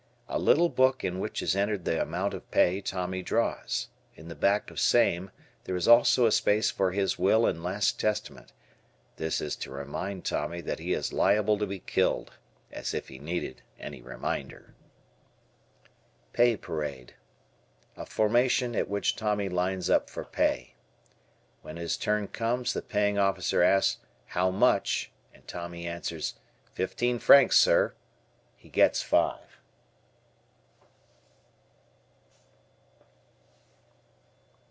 A little book in which is entered the amount of pay Tommy draws. In the back of same there is also a space for his "will and last testament"; this to remind Tommy that he is liable to be killed. (As if he needed any reminder.) Pay Parade. A formation at which Tommy lines up for pay. When his turn comes the paying officer asks, "How much?" and Tommy answers, "Fifteen francs, sir." He gets five.